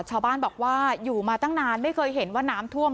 ชาวบ้านบอกว่าอยู่มาตั้งนานไม่เคยเห็นว่าน้ำท่วม